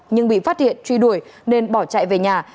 nhưng bị phát hiện truy đuổi nên bỏ chạy về nhà